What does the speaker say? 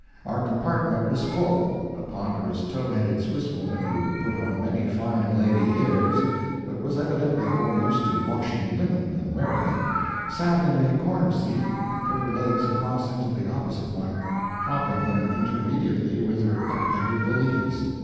Our compartment was full. A ponderous tow headed Swiss woman, who put on many fine lady airs, but was evidently more used to washing linen than wearing it, sat in a corner seat and put her legs across into the opposite one, propping them intermediately with her up ended valise.